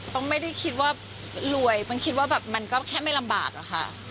ไม่ได้คิดว่ารวยต้องคิดว่าแบบมันก็แค่ไม่ลำบากอะค่ะ